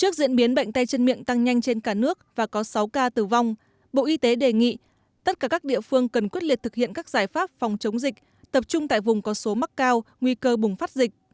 trước diễn biến bệnh tay chân miệng tăng nhanh trên cả nước và có sáu ca tử vong bộ y tế đề nghị tất cả các địa phương cần quyết liệt thực hiện các giải pháp phòng chống dịch tập trung tại vùng có số mắc cao nguy cơ bùng phát dịch